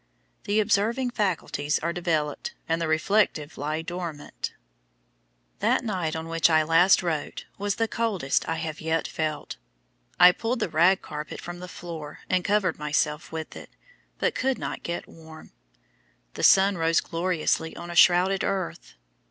The observing faculties are developed, and the reflective lie dormant. That night on which I last wrote was the coldest I have yet felt. I pulled the rag carpet from the floor and covered myself with it, but could not get warm. The sun rose gloriously on a shrouded earth.